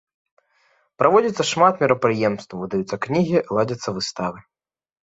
Праводзяцца шмат мерапрыемстваў, выдаюцца кнігі, ладзяцца выставы.